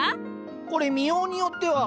これ見ようによっては。